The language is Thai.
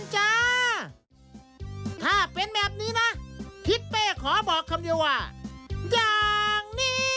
ห้อง